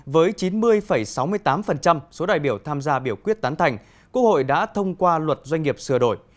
với chín mươi sáu mươi tám số đại biểu tham gia biểu quyết tán thành quốc hội đã thông qua luật doanh nghiệp sửa đổi